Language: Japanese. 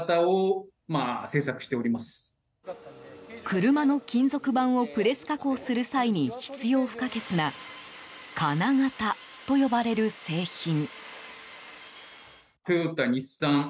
車の金属板をプレス加工する際に必要不可欠な金型と呼ばれる製品。